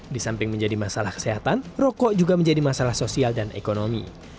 di samping menjadi masalah kesehatan rokok juga menjadi masalah sosial dan ekonomi